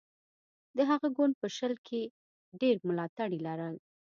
د هغه ګوند په شل کې ډېر ملاتړي لرل.